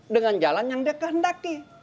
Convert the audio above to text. dengan jalan yang dia kehendaki